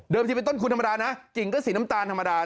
ที่เป็นต้นคุณธรรมดานะกิ่งก็สีน้ำตาลธรรมดา